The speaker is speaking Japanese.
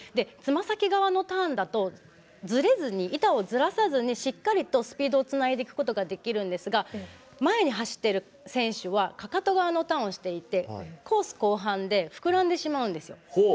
つま先側のターンだとずれずに板をずらさずにしっかりとスピードをつないでいくことができるんですが前に走っている選手はかかと側のターンをしていてコース後半で膨らんでしまうんですよ。